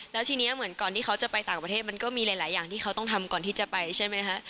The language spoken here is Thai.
แล้วทีนี้เหมือนก่อนที่เขาจะไปต่างประเทศมันก็มีหลายอย่างที่เขาต้องทำก่อนที่จะไปใช่ไหมคะ